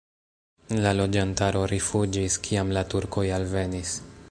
La loĝantaro rifuĝis, kiam la turkoj alvenis.